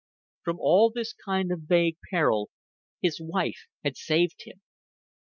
From all this kind of vague peril his wife had saved him.